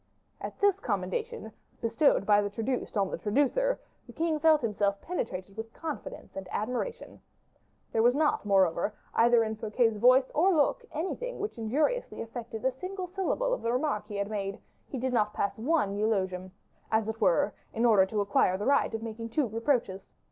At this commendation, bestowed by the traduced on the traducer, the king felt himself penetrated with confidence and admiration. There was not, moreover, either in Fouquet's voice or look, anything which injuriously affected a single syllable of the remark he had made; he did not pass one eulogium, as it were, in order to acquire the right of making two reproaches.